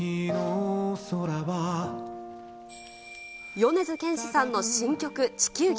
米津玄師さんの新曲、地球儀。